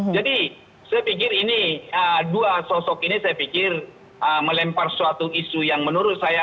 jadi saya pikir ini dua sosok ini saya pikir melempar suatu isu yang menurut saya